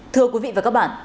thưa quý vị và các bạn